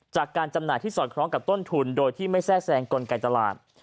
จำหน่ายที่สอดคล้องกับต้นทุนโดยที่ไม่แทรกแซงกลไกตลาด